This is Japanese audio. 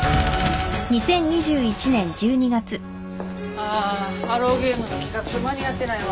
あーアローゲームの企画書間に合ってないわ。